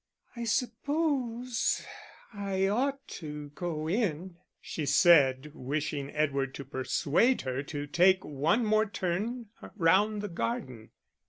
"I suppose I ought to go in," she said, wishing Edward to persuade her to take one more turn round the garden.